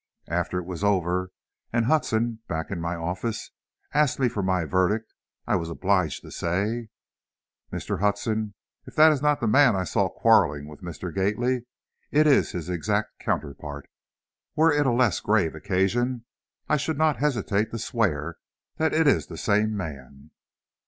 And after it was over, and Hudson, back in my office, asked me for my verdict, I was obliged to say: "Mr. Hudson, if that is not the man I saw quarreling with Mr. Gately, it is his exact counterpart! Were it a less grave occasion, I should not hesitate to swear that it is the same man."